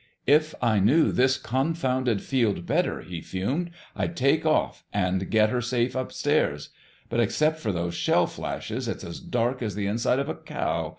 "If I knew this confounded field better," he fumed, "I'd take off and get her safe upstairs. But except for those shell flashes it's as dark as the inside of a cow.